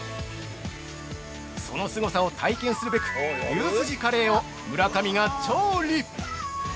そのすごさを体験するべく、「牛すじカレー」を村上が調理！